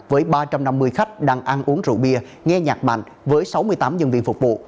với ba trăm năm mươi khách đang ăn uống rượu bia nghe nhạc mạnh với sáu mươi tám nhân viên phục vụ